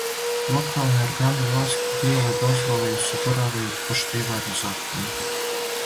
Локални органи власти дијеле дозволе и осигуравају поштивање закона.